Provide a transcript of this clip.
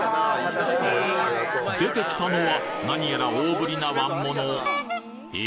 出てきたのは何やら大ぶりな椀ものえ？